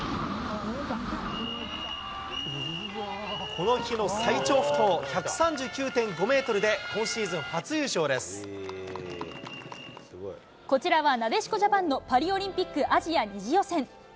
この日の最長不倒、１３９．５メートルで、こちらはなでしこじゃぱんのパリオリンピックアジア２次予選。